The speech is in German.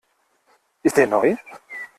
Ist der neu?